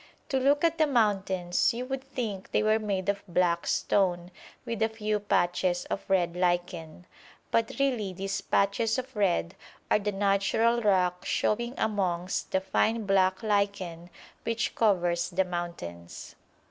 To look at the mountains you would think they were made of black stone with a few patches of red lichen, but really these patches of red are the natural rock showing amongst the fine black lichen which covers the mountains.